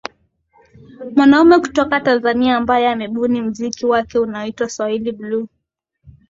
mwanaume kutoka tanzania ambaye amebuni mziki wake unaoitwa swahili blue